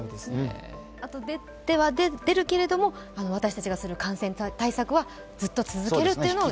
あと出るけれど、私たちがする感染対策はずっと続けるというのを。